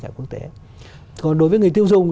cả quốc tế còn đối với người tiêu dùng